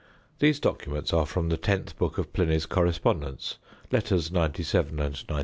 These documents are from the Tenth Book of Pliny's Correspondence, Letters 97 and 98.